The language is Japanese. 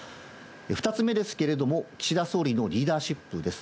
２つ目ですけれども、岸田総理のリーダーシップです。